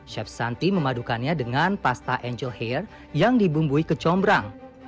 chef santi memadukannya dengan pasta angel hair yang dibumbui kecombrang